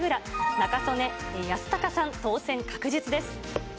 中曽根康隆さん、当選確実です。